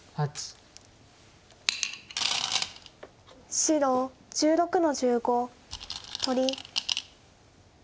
白１６の十五取り。